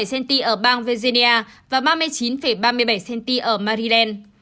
ba mươi bảy cm ở bang virginia và ba mươi chín ba mươi bảy cm ở maryland